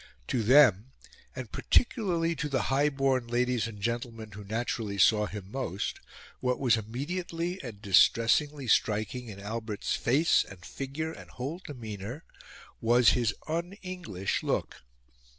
To them and particularly to the high born ladies and gentlemen who naturally saw him most what was immediately and distressingly striking in Albert's face and figure and whole demeanour was his un English look.